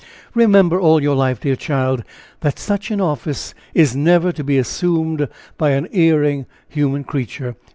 Remember, all your life, dear child, that such an office is never to be assumed by an erring human creature.